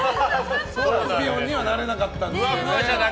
チャンピオンにはなれなかったんですね。